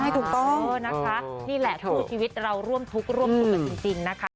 ถูกต้องนะคะนี่แหละคู่ชีวิตเราร่วมทุกข์ร่วมสุขกันจริงนะคะ